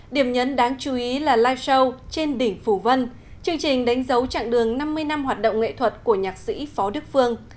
điểm nhấn đáng chú ý là live show trên đỉnh phủ vân chương trình đánh dấu chặng đường năm mươi năm hoạt động nghệ thuật của nhạc sĩ phó đức phương